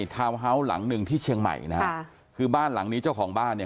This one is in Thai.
เฮาส์หลังหนึ่งที่เชียงใหม่นะฮะคือบ้านหลังนี้เจ้าของบ้านเนี่ย